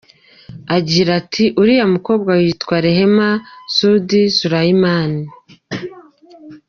Yagize ati “Uriya mukobwa yitwa Rehema Sudi Suleiman.